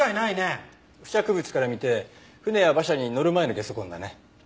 付着物から見て船や馬車に乗る前のゲソ痕だね。